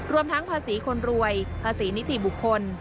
รวมทั้งภาษีคนรวยภาษีนิติบุคคล